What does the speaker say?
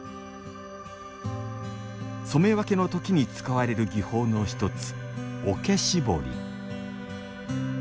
染め分けの時に使われる技法の一つ